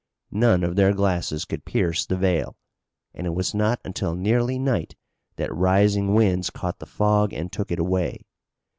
None of their glasses could pierce the veil, and it was not until nearly night that rising winds caught the fog and took it away.